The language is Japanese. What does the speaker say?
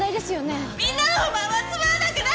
みんなの不満はつまんなくない！